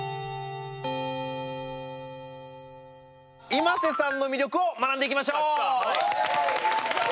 ｉｍａｓｅさんの魅力を学んでいきましょう！